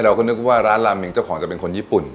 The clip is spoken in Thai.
เราก็นึกว่าร้านลาเมงเจ้าของจะเป็นคนญี่ปุ่น